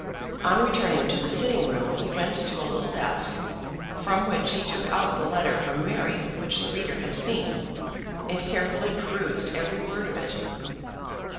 On returning to the sitting room he went to a little desk from which he took out the letter from Mary which the reader has seen, and carefully perused every word of it.